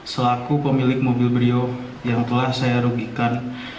selaku pemilik mobil brio yang telah saya rugikan